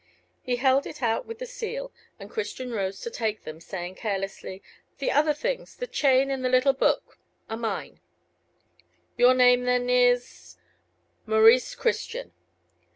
He held it out with the seal, and Christian rose to take them, saying carelessly, "The other things the chain and the little book are mine." "Your name then is " "Maurice Christian."